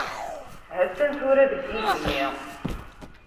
Ha-tt-an tura deg yigenni.